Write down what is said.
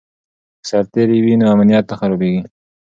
که سرتیری وي نو امنیت نه خرابېږي.